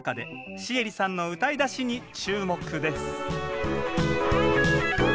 シエリさんの歌いだしに注目です